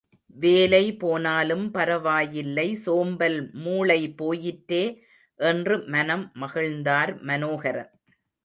வேலை போனாலும் பரவாயில்லை, சோம்பல் மூளை போயிற்றே என்று மனம் மகிழ்ந்தார் மனோகரன்.